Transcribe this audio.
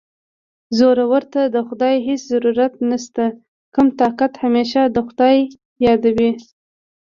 زورور ته د خدای هېڅ ضرورت نشته کم طاقته همېشه خدای یادوي